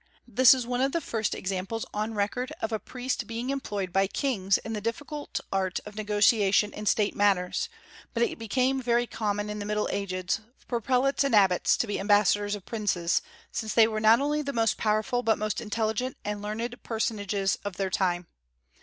This is one of the first examples on record of a priest being employed by kings in the difficult art of negotiation in State matters; but it became very common in the Middle Ages for prelates and abbots to be ambassadors of princes, since they were not only the most powerful but most intelligent and learned personages of their times.